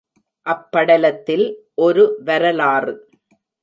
அப்படலத்தில் ஒரு வரலாறு.